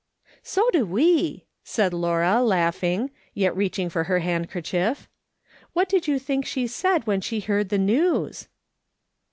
" So do we," said Laura, laughing, yet reaching for her handkerchief. "What did you think she said ■when she heard the news